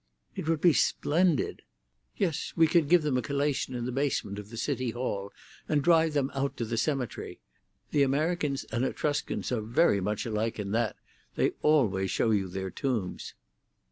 "It would be splendid." "Yes; we would give them a collation in the basement of the City Hall, and drive them out to the cemetery. The Americans and Etruscans are very much alike in that—they always show you their tombs."